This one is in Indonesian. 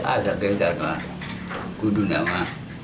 asal kakek tanah kudu nama dua puluh dua